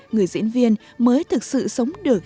người diễn viên mới thực sự sống được